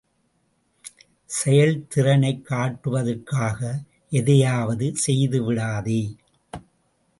செயல்திறனைக் காட்டுவதற்காக எதையாவது செய்துவிடாதே.